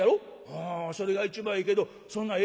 「うんそれが一番ええけどそんなええ